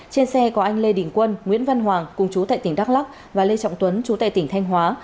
trên xe có anh lê đình quân nguyễn văn hoàng cùng chú tại tỉnh đắk lắc và lê trọng tuấn chú tại tỉnh thanh hóa